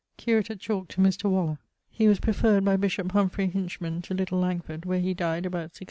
Curate at Chalke to Mr. Waller. He was preferred by bishop Hinchman to Little Langford, where he dyed about 1672.